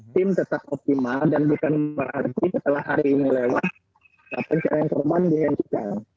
tim tetap optimal dan bukan berarti setelah hari ini lewat pencarian korban dihentikan